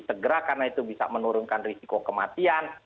segera karena itu bisa menurunkan risiko kematian